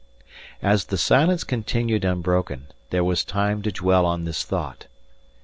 As the silence continued unbroken, there was time to dwell on this thought.